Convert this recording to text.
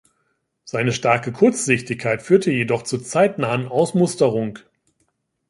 Seine starke Kurzsichtigkeit führte jedoch zur zeitnahen Ausmusterung.